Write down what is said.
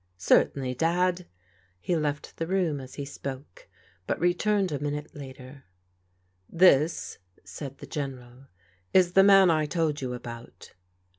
" Certainly, Dad." He left the room as he spoke, but returned a minute later. "This," said the General, "is the man I told you about."